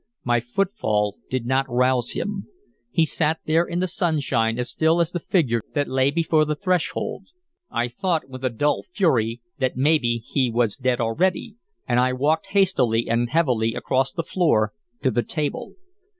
My footfall did not rouse him; he sat there in the sunshine as still as the figure that lay before the threshold. I thought with a dull fury that maybe he was dead already, and I walked hastily and heavily across the floor to the table.